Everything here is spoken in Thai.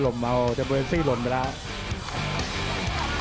ซัดทะลมเอาจับเบอร์เอ็นซี่หล่นไปแล้ว